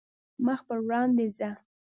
مخ پر وړاندې ځه .